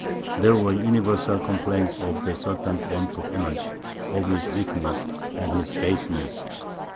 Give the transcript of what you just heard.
There were universal complaints of the Sultan's want of energy, of his weakness, and his baseness.